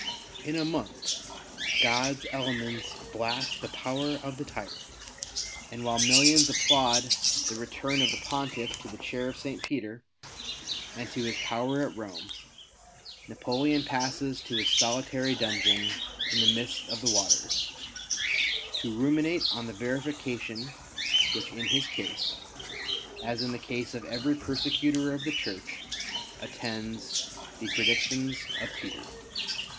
In a month, God's elements blast the power of the tyrant ; and while millions applaud the return of the Pontiff to the Chair of St. Peter and to his power at Rome, Napoleon passes to his solitary dungeon in the midst of the waters, to ruminate on the verification which in his case, as in the case of every persecutor of the Church, attends the predictions of Peter.